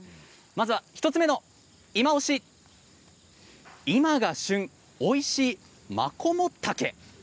まず１つ目の、いまオシ今が旬おいしいマコモタケ。